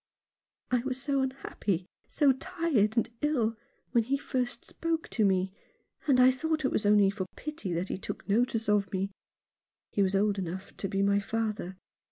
"I was so unhappy, so tired and ill, when he first spoke to me ; and I thought it was only for pity that he took notice of me. He was old enough to be my father.